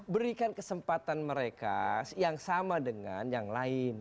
berikan kesempatan mereka yang sama dengan yang lain